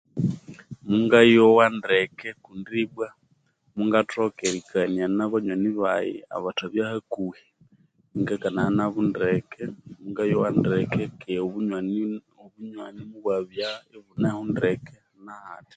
Mungayowa ndeke Kundi bwa mungathoka erikania nabanyoni bayi abatabya nahakuhi, iningakanaya nabo ndeke, mungayowa ndeke kighi, obunywani, obunywani mubwabya ibuneho ndeke nahatya.